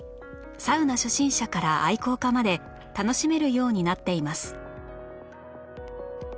サウナ初心者から愛好家まで楽しめるようになっています